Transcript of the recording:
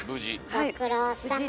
ご苦労さま。